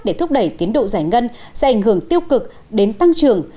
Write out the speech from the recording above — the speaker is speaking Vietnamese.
để thúc đẩy tiến độ giải ngân sẽ ảnh hưởng tiêu cực đến tăng trưởng